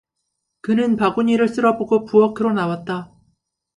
그는 바구니를 쓸어 보고 부엌으로 나왔다.